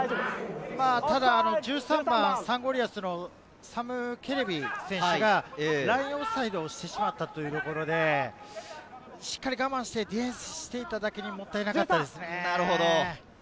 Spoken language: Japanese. ただ１３番、サンゴリアスのサム・ケレビ選手がラインオフサイドをしてしまったというところで、我慢してディフェンスしていただけにもったいなかったですね。